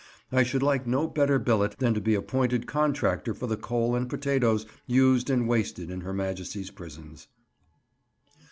I should like no better billet than to be appointed contractor for the coal and potatoes used and wasted in Her Majesty's prisons.